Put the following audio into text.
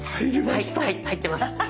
はい入ってます。